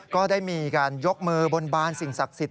ก็ได้มีการยกมือบนบานสิ่งศักดิ์สิทธ